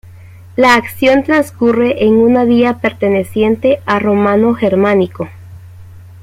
La acción transcurre en una villa perteneciente a Romano Germánico.